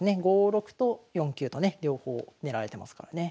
５六と４九とね両方狙われてますからね。